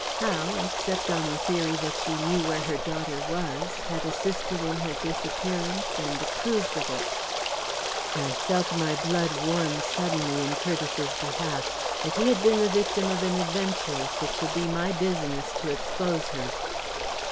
How, except on the theory that she knew where her daughter was, had assisted in her disappearance and approved of it? I felt my blood warm suddenly in Curtiss's behalf. If he had been the victim of an adventuress, it should be my business to expose her!